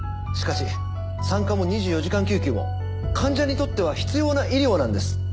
しかし産科も２４時間救急も患者にとっては必要な医療なんです。